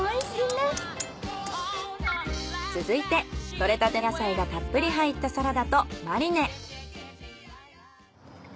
採れたて野菜がたっぷり入ったサラダとマリネ。